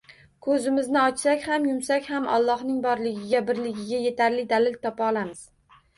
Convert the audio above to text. Ko‘zimizni ochsak ham, yumsak ham Allohning borligiga, birligiga yetarli dalil topa olamiz.